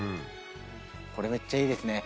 これめっちゃいいですね